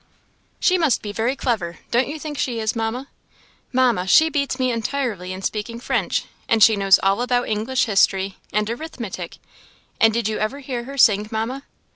She must be very clever; don't you think she is, Mamma? Mamma, she beats me entirely in speaking French, and she knows all about English history; and arithmetic! and did you ever hear her sing, Mamma?"